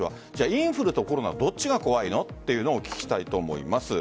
インフルとコロナどっちが怖いのというのをお聞きしたいと思います。